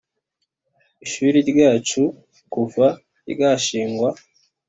ishuri ryacu kuva ryashingwa,